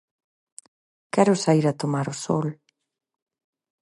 Quero saír a tomar o sol...